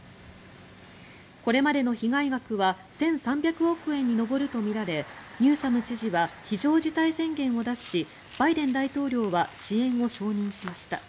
これまでの被害額は１３００億円に上るとみられニューサム知事は非常事態宣言を出しバイデン大統領は支援を承認しました。